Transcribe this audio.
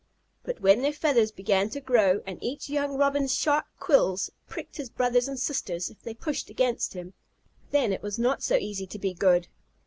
But when their feathers began to grow, and each young Robin's sharp quills pricked his brothers and sisters if they pushed against him, then it was not so easy to be good.